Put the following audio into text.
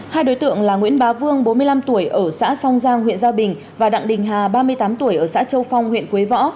hai đối tượng là nguyễn bá vương bốn mươi năm tuổi ở xã song giang huyện gia bình và đặng đình hà ba mươi tám tuổi ở xã châu phong huyện quế võ